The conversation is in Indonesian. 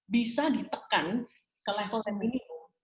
bisa ditekan ke level yang ini